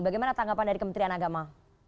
bagaimana tanggapan dari kementerian agama